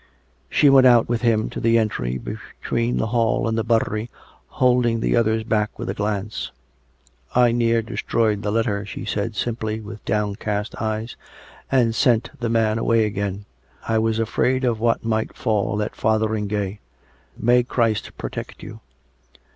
She went out with him to the entry between the hall and the buttery, holding the others back M'ith a glance. " I near destroyed the letter," she said simply, with downcast eyes, " and sent the man away again. I was afraid of what might fall at Fotheringay. ... May Christ protect you